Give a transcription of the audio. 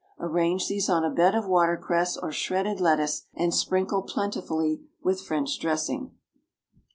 Arrange these on a bed of watercress, or shredded lettuce, and sprinkle plentifully with French dressing.